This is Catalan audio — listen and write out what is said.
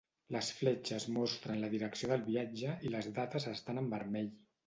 Les fletxes mostren la direcció del viatge i les dates estan en vermell.